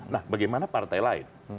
nah bagaimana partai lain